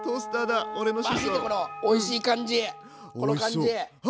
おいしい感じこの感じ。